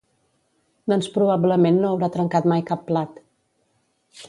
Doncs probablement no haurà trencat mai cap plat.